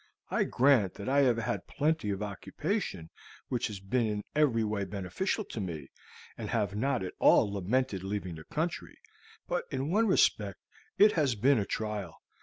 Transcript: I grant that I have had plenty of occupation which has been in every way beneficial to me, and have not at all lamented leaving the country, but in one respect it has been a trial.